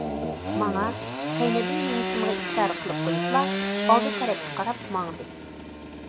ماڭا كەينىدىن مېڭىشىمغا ئىشارە قىلىپ قويۇپلا، ئالدى تەرەپكە قاراپ ماڭدى.